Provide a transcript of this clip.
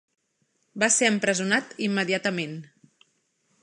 Va ser empresonat immediatament.